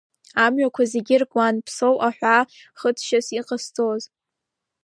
Амҩақәа зегьы ркуан, Ԥсоу аҳәаа хыҵшьас иҟасҵоз.